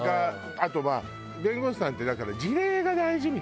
あとは弁護士さんってだから事例が大事みたいよね。